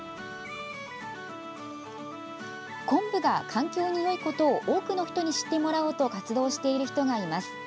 昆布が環境によいことを多くの人に知ってもらおうと活動している人がいます。